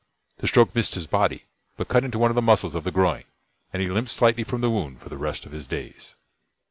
The stroke missed his body, but cut into one of the muscles of the groin, and he limped slightly from the wound for the rest of his days.